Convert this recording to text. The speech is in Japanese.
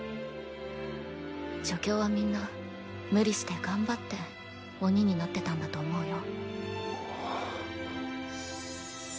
助教はみんな無理して頑張って鬼になってたんだと思うよ。